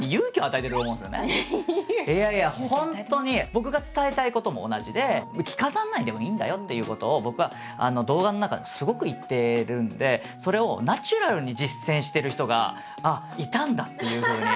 僕が伝えたいことも同じで着飾らないでもいいんだよということを僕は動画の中ですごく言ってるんでそれをナチュラルに実践してる人がああいたんだっていうふうに。